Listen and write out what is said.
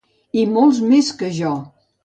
I molts més que jo!